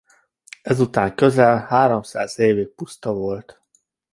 Ezután közel háromszáz évig puszta volt.